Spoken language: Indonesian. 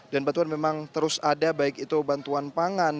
bantuan memang terus ada baik itu bantuan pangan